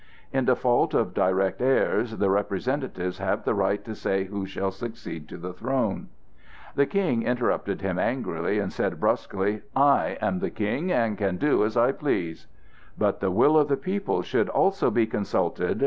In default of direct heirs, the representatives have the right to say who shall succeed to the throne." The King interrupted him angrily, and said brusquely: "I am the King, and can do as I please." "But the will of the people should also be consulted!"